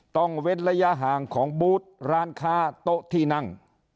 เว้นระยะห่างของบูธร้านค้าโต๊ะที่นั่ง